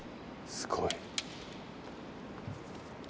すごい。